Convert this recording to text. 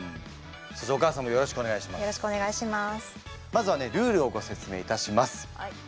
まずはねルールをご説明いたします。